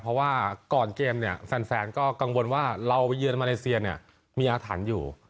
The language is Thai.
เพราะว่าก่อนเกมเนี่ยแฟนก็กังวลว่าเราไปเยือนมาเลเซียเนี่ยมีอาถรรพ์อยู่